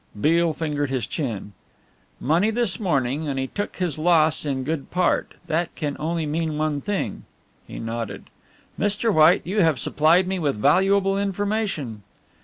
Beale fingered his chin. "Money this morning and he took his loss in good part that can only mean one thing." He nodded. "Mr. White, you have supplied me with valuable information."